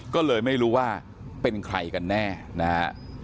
ก็เลยไม่รู้ว่าเป็นใครกันแน่นะฮะ